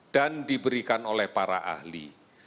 dan diberikan oleh para ahli